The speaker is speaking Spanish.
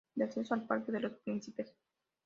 Da acceso al Parque de los Príncipes.